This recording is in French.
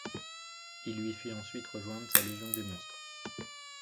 Il lui fit ensuite rejoindre sa Légion des monstres.